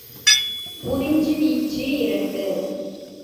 உறிஞ்சு வீச்சு இரண்டு.